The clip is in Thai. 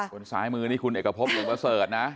คนซ้ายมือนี่คุณเอกพบลงไปเสิร์ชนะ